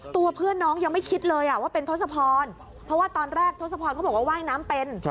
ตัวเพื่อนน้องยังไม่คิดเลยว่าเป็นทศพรเพราะว่าตอนแรกทศพรเขาบอกว่าว่ายน้ำเป็น